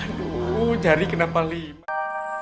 aduh jari kenapa lima